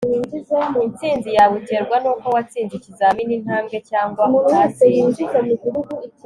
intsinzi yawe iterwa nuko watsinze ikizamini intambwe cyangwa utatsinze